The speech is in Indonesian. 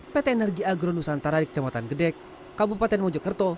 pt energi agro nusantara di kecamatan gedek kabupaten mojokerto